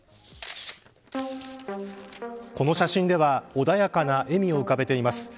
この写真では穏やかな笑みを浮かべています。